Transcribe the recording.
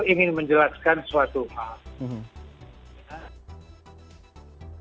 ingin menjelaskan suatu hal